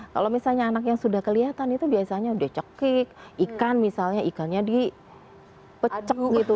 kalau misalnya anak yang sudah kelihatan itu biasanya udah cekik ikan misalnya ikannya dipecek gitu